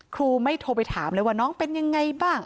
ครูไม่โทรไปถามเลยว่าน้องเป็นยังไงบ้าง